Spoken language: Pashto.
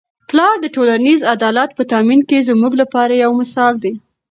پلار د ټولنیز عدالت په تامین کي زموږ لپاره یو مثال دی.